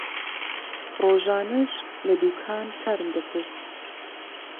ڕۆژانەش لە دوکان کارم دەکرد.